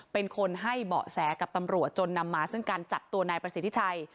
เป็นคนให้เบาะแสกับตำรวจจนนำมาซึ่งการจับตัวนายประสิทธิชัย